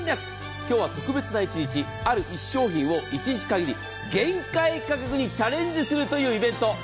今日は特別な一日、ある１商品を限界価格にチャレンジするというイベント。